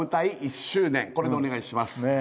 これでお願いします